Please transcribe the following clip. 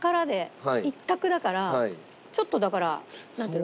ちょっとだからなんていうの。